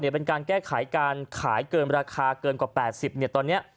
เป็นการแก้ไขการขายเกินราคาเกินกว่า๘๐ตอนนี้